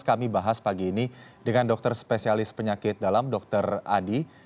kami bahas pagi ini dengan dokter spesialis penyakit dalam dr adi